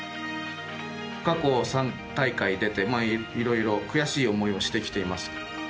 過去３大会出ていろいろ悔しい思いをしてきています。